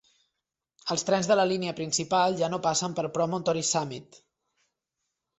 Els trens de la línia principal ja no passen per Promontory Summit.